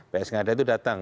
ps ngada itu datang